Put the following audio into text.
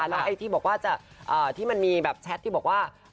แล้วไอ้ที่บอกว่าที่มันมีแบบแชทที่บอกว่า